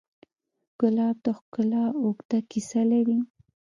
ګلاب د ښکلا اوږده کیسه لري.